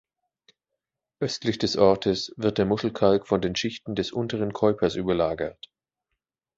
Östlich des Ortes wird der Muschelkalk von den Schichten des Unteren Keupers überlagert.